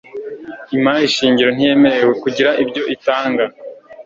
imari shingiro ntiyemerewe kugira ibyo itanga